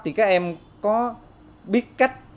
thì các em có biết cách